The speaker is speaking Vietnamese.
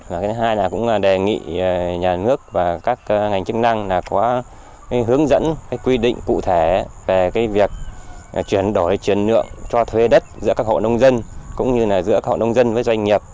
cái thứ hai là cũng đề nghị nhà nước và các ngành chức năng có hướng dẫn quy định cụ thể về việc chuyển đổi chuyển lượng cho thuê đất giữa các hộ nông dân cũng như giữa các hộ nông dân với doanh nghiệp